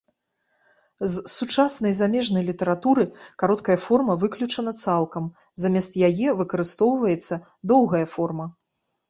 З сучаснай замежнай літаратуры кароткая форма выключана цалкам, замест яе выкарыстоўваецца доўгая форма.